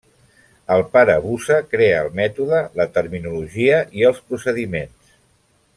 El pare Busa crea el mètode, la terminologia i els procediments.